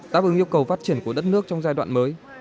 táp ứng yêu cầu phát triển của đất nước trong giai đoạn mới